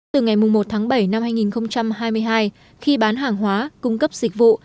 từ ngày một tháng bảy năm hai nghìn hai mươi hai khi bán hàng hóa cung cấp dịch vụ